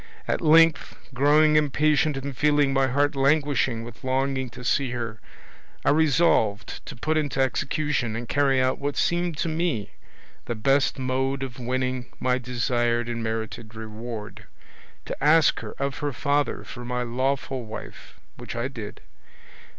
At length growing impatient and feeling my heart languishing with longing to see her, I resolved to put into execution and carry out what seemed to me the best mode of winning my desired and merited reward, to ask her of her father for my lawful wife, which I did.